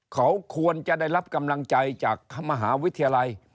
เขาควรจะได้รับกำลังใจจากมหาวิทยาลัย